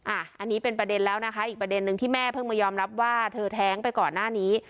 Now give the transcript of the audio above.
อันนี้เป็นประเด็นแล้วนะคะอีกประเด็นนึงที่แม่เพิ่งมายอมรับว่าเธอแท้งไปก่อนหน้านี้